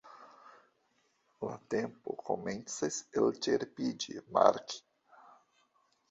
La tempo komencas elĉerpiĝi, Mark!